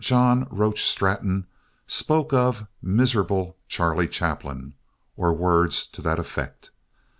John Roach Straton spoke of "miserable Charlie Chaplin," or words to that effect.